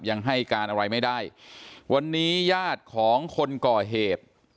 ยังให้การอะไรไม่ได้วันนี้ญาติของคนก่อเหตุ